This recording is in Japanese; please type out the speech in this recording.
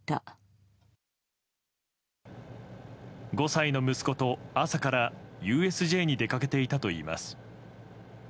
５歳の息子と、朝からＵＳＪに出かけていたといいます。